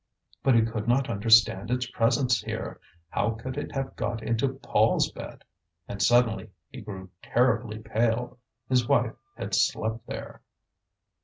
But he could not understand its presence here: how could it have got into Paul's bed? And suddenly he grew terribly pale. His wife had slept there.